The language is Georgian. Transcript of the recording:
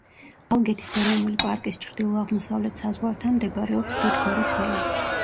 ალგეთის ეროვნული პარკის ჩრდილო-აღმოსავლეთ საზღვართან მდებარეობს დიდგორის ველი.